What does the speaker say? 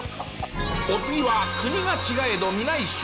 お次は国が違えど皆一緒。